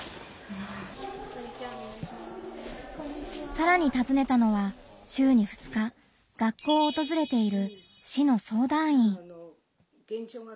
さらにたずねたのは週に２日学校をおとずれている市の相談員。